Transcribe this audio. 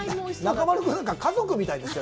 中丸君、家族みたいですよ。